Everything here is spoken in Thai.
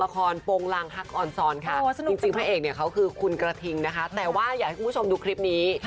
คุณผู้ชมดูคลิปนี้